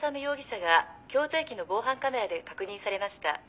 容疑者が京都駅の防犯カメラで確認されました」